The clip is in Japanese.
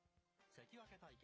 関脇対決。